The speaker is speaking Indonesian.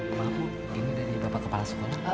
walaupun ini dari bapak kepala sekolah